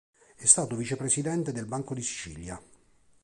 È stato vicepresidente del Banco di Sicilia.